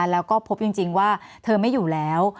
แล้วก็พบจริงว่าเธอไม่อยู่แล้ว